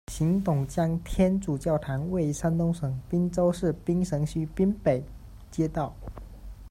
秦董姜天主教堂，位于山东省滨州市滨城区滨北街道。